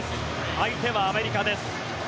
相手はアメリカです。